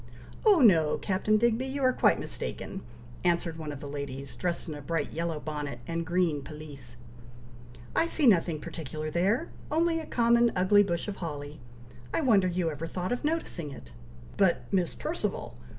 "Oh no, Captain Digby, you are quite mistaken," answered one of the ladies, dressed in a bright yellow bonnet and green pelisse. "I see nothing particular there! only a common ugly bush of holly! I wonder you ever thought of noticing it!" "But, Miss Perceval!